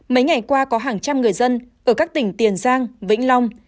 mấy ngày qua có hàng trăm người dân ở các tỉnh tiền giang vĩnh long